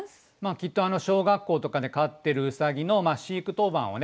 きっと小学校とかで飼ってるうさぎの飼育当番をね